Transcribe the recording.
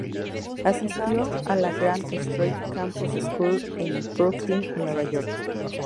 Asistió a la Grand Street Campus School en Brooklyn, Nueva York.